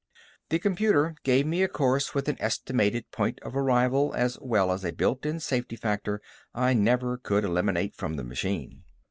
The computer gave me a course with an estimated point of arrival as well as a built in safety factor I never could eliminate from the machine.